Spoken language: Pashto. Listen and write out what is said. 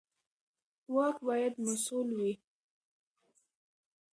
واک باید مسوول وي